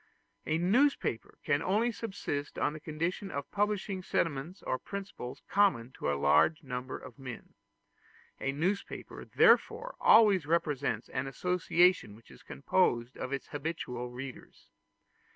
A newspaper can only subsist on the condition of publishing sentiments or principles common to a large number of men. A newspaper therefore always represents an association which is composed of its habitual readers.